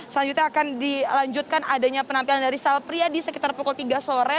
selanjutnya akan dilanjutkan adanya penampilan dari sal pria di sekitar pukul tiga sore